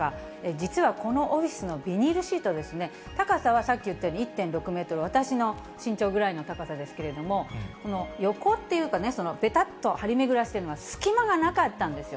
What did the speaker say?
実はこのオフィスのビニールシートですね、高さはさっき言ったように１．６メートル、私の身長ぐらいの高さですけれども、この横というか、べたっと張り巡らせてるのは隙間がなかったんですよ。